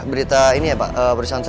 berita ini ya pak perusahaan